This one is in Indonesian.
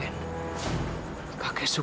kakek bisa berlari dengan kencang